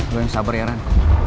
lo yang sabar ya ren